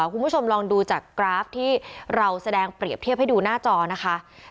คุณผู้ชมลองดูจากกราฟที่เราแสดงเปรียบเทียบให้ดูหน้าจอนะคะ